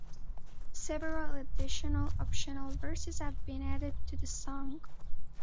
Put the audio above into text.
Several additional, optional verses have been added to the song.